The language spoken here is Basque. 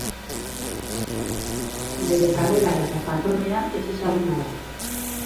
Bere karrera eta jatorria ezezaguna da.